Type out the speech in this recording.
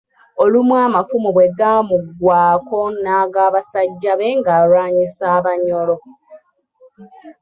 Olumu amafumu bwe gaamuggwaako n'aga basajja be ng'alwanyisa Abanyoro.